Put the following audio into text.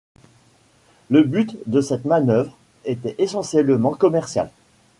Le but de cette manœuvre était essentiellement commercial.